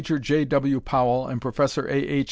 J. W. Powell and Prof. A. H.